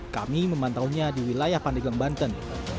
kami memantaunya di wilayah pandeglang banten